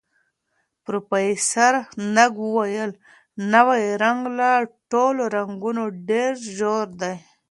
پروفیسر نګ وویل، نوی رنګ له ټولو رنګونو ډېر ژور دی.